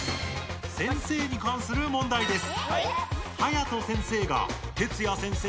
先生にかんする問題です。